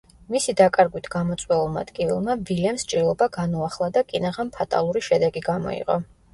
მისი დაკარგვით გამოწვეულმა ტკივილმა ვილემს ჭრილობა განუახლა და კინაღამ ფატალური შედეგი გამოიღო.